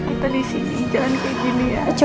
kita di sini jangan kayak gini ya